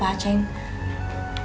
dugaan nya seperti itu pak